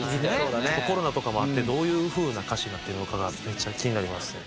コロナとかもあってどういう風な歌詞になってるのかがめっちゃ気になりますね。